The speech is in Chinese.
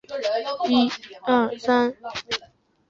过滤且清洗氢氧化物以除去可溶的硝酸钾。